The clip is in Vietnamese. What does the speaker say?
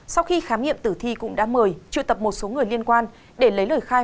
sau khi khám nghiệm tử thi cũng đã mời triệu tập một số người liên quan để lấy lời khai